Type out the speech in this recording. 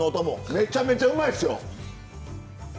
めちゃめちゃうまいですよ！